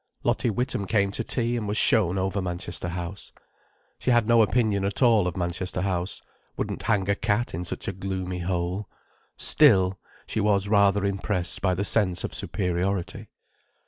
Lottie Witham came to tea, and was shown over Manchester House. She had no opinion at all of Manchester House—wouldn't hang a cat in such a gloomy hole. Still, she was rather impressed by the sense of superiority.